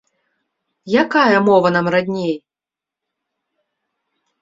Якая мова нам радней?